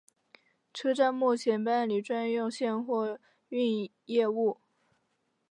车站目前办理专用线货运业务。